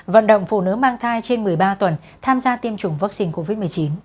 vận động phụ nữ mang thai trên một mươi ba tuần tham gia tiêm chủng vaccine covid một mươi chín